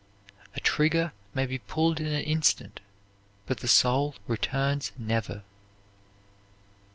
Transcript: A trigger may be pulled in an instant, but the soul returns never.